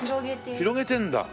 広げてるんだ。